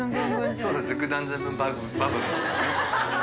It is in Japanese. そうですね。